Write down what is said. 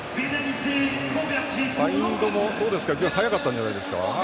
バインドもどうですか速かったんじゃないですか。